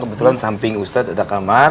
kebetulan samping ustadz ada kamar